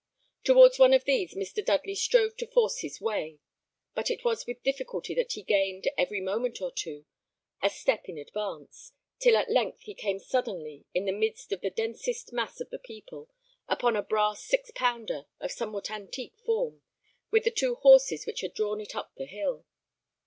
Towards one of these Mr. Dudley strove to force his way; but it was with difficulty that he gained, every moment or two, a step in advance, till at length he came suddenly, in the midst of the densest mass of the people, upon a brass six pounder, of somewhat antique form, with the two horses which had drawn it up the hill.